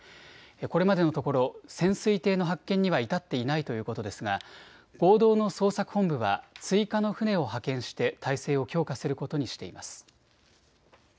これまでのところ潜水艇の発見には至っていないということですが合同の捜索本部は追加の船を派遣して態勢を強化することにしています。